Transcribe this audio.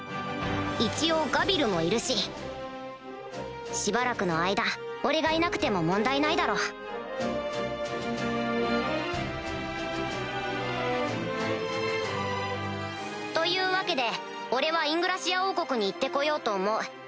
一応ガビルもいるししばらくの間俺がいなくても問題ないだろうというわけで俺はイングラシア王国に行って来ようと思う。